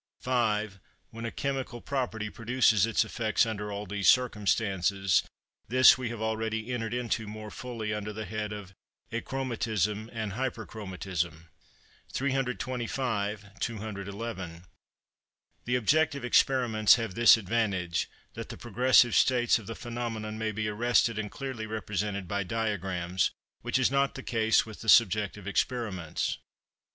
5. When a chemical property produces its effects under all these circumstances: this we have already entered into more fully under the head of achromatism and hyperchromatism. 325 (211). The objective experiments have this advantage that the progressive states of the phenomenon may be arrested and clearly represented by diagrams, which is not the case with the subjective experiments.